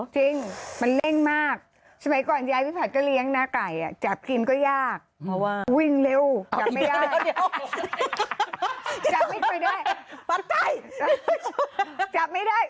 จริงมันเร่งมากสมัยก่อนยายพี่ผัดก็เลี้ยงนะไก่อ่ะจับกินก็ยากเพราะว่าวิ่งเร็วจับไม่ได้